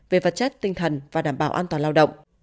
về vật chất tinh thần và đảm bảo an toàn lao động